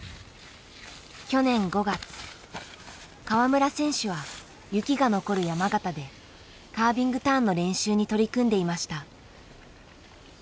川村選手は雪が残る山形でカービングターンの練習に取り組んでいました。